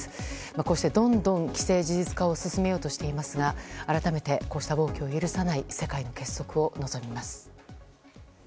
こうして、どんどん既成事実化を進めようとしていますが改めてこうした動きを許さない世界の結束を望みます。